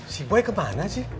si boy kemana sih